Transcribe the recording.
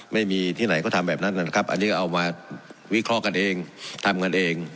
ไม่มีที่ไหนก็ทำแบบนั้นนะครับอันนี้ก็เอามาวิเคราะห์กันเองทำกันเอง